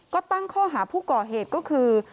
ก็ตั้งข้อหาผู้ก่อเหตุก็คือ